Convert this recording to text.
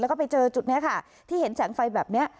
แล้วก็ไปเจอจุดนี้ค่ะที่เห็นแสงไฟแบบนี้